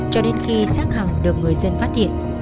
cho đến khi sát hằng được người dân vắt ra